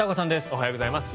おはようございます。